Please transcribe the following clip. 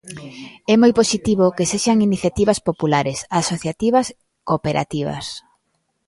É moi positivo que sexan iniciativas populares, asociativas, cooperativas.